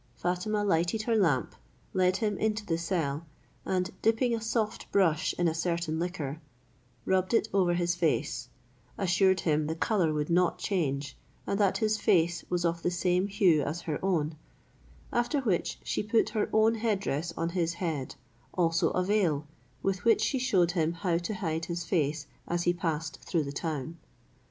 Fatima lighted her lamp, led him into the cell, and dipping a soft brush in a certain liquor, rubbed it over his face, assured him the colour would not change, and that his face was of the same hue as her own: after which, she put her own head dress on his head, also a veil, with which she shewed him how to hide his face as he passed through the town.